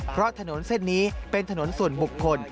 เพราะถนนเส้นนี้เป็นถนนส่วนบุคคล